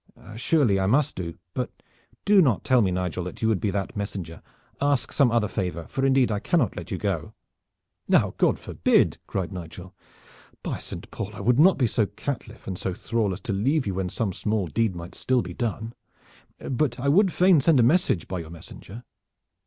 "Surely, I must do so. But do not tell me, Nigel, that you would be that messenger. Ask me some other favor, for indeed I cannot let you go." "Now God forbid!" cried Nigel. "By Saint Paul! I would not be so caitiff and so thrall as to leave you, when some small deed might still be done. But I would fain send a message by your messenger."